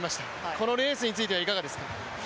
このレースについてはいかがですか？